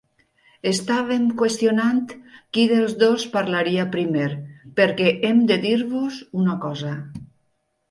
Estàvem qüestionant qui dels dos parlaria primer, perquè hem de dir-vos una cosa.